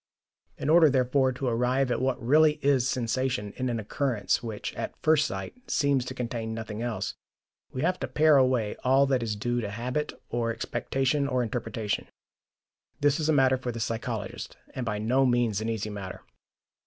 In order, therefore, to arrive at what really is sensation in an occurrence which, at first sight, seems to contain nothing else, we have to pare away all that is due to habit or expectation or interpretation. This is a matter for the psychologist, and by no means an easy matter.